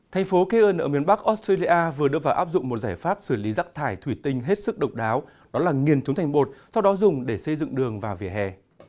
thành phố cairn ở miền bắc australia vừa đưa vào áp dụng một giải pháp xử lý rác thải thủy tinh hết sức độc đáo đó là nghiền trúng thành bột sau đó dùng để xây dựng đường và vỉa hè